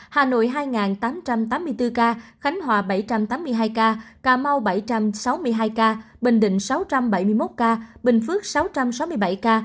hà nội hai tám trăm tám mươi bốn ca khánh hòa bảy trăm tám mươi hai ca cà mau bảy trăm sáu mươi hai ca bình định sáu trăm bảy mươi một ca bình phước sáu trăm sáu mươi bảy ca